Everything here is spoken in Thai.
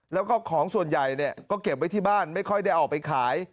แล้วก็ของส่วนใหญ่ก็เก็บไว้ที่บ้านไม่ค่อยได้ออกไปขาย